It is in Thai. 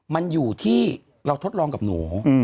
มันอยู่ที่เราทดลองกับหนู